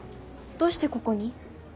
どうしてここに？